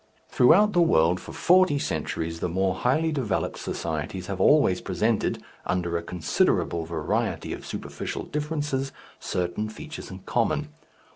Throughout the world for forty centuries the more highly developed societies have always presented under a considerable variety of superficial differences certain features in common.